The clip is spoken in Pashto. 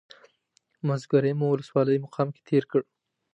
مازیګری مو ولسوالۍ مقام کې تېر کړ.